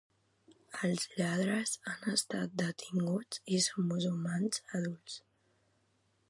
Els lladres han estat detinguts i son musulmans adults